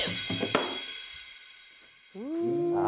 さあ！